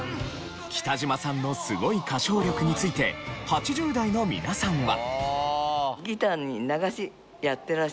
北島さんのすごい歌唱力について８０代の皆さんは。